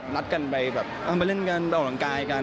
นัดกันไปแบบเป็นการเล่นกันออกหลังกายกัน